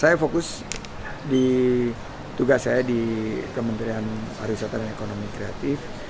saya fokus di tugas saya di kementerian pariwisata dan ekonomi kreatif